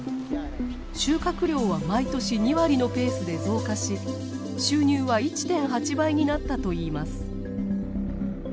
収穫量は毎年２割のペースで増加し収入は１．８倍になったといいます。